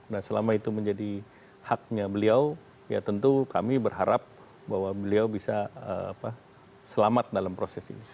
nah selama itu menjadi haknya beliau ya tentu kami berharap bahwa beliau bisa selamat dalam proses ini